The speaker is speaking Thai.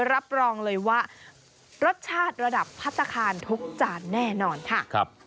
รับรองเลยว่ารสชาติระดับพัฒนาคารทุกจานแน่นอนค่ะ